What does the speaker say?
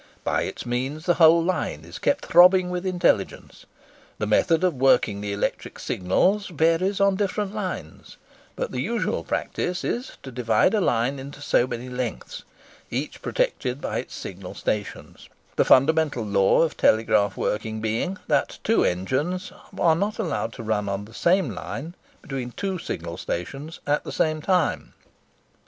By its means the whole line is kept throbbing with intelligence. The method of working the electric signals varies on different lines; but the usual practice is, to divide a line into so many lengths, each protected by its signal stations,—the fundamental law of telegraph working being, that two engines are not to be allowed to run on the same line between two signal stations at the same time.